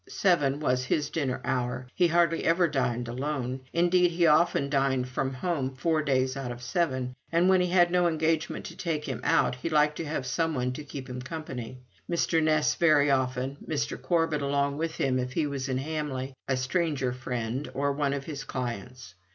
Seven was his dinner hour; he hardly ever dined alone; indeed, he often dined from home four days out of seven, and when he had no engagement to take him out he liked to have some one to keep him company: Mr. Ness very often, Mr. Corbet along with him if he was in Hamley, a stranger friend, or one of his clients.